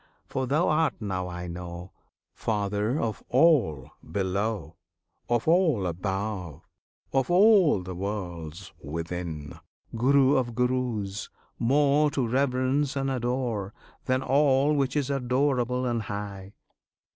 For Thou art, now I know, Father of all below, Of all above, of all the worlds within Guru of Gurus; more To reverence and adore Than all which is adorable and high!